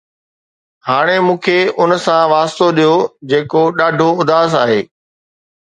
هاڻي مون کي ان سان واسطو ڏيو جيڪو ڏاڍو اداس آهي